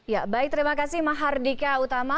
ya baik terima kasih maha hardika utama